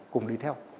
cùng đi theo